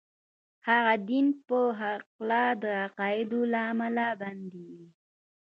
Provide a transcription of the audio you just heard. هغه د دين په هکله د عقايدو له امله بندي و.